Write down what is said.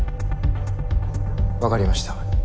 分かりました。